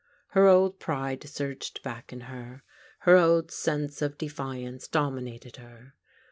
Her old pride surged back in her. Her old sense of defiance dominated her.